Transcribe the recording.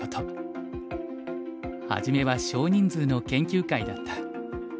初めは少人数の研究会だった。